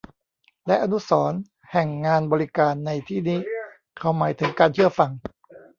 และอนุสรณ์แห่งงานบริการในที่นี้เขาหมายถึงการเชื่อฟัง